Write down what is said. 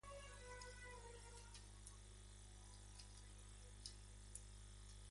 Fue enterrada en el Cementerio Oakwood en Townshend, Vermont.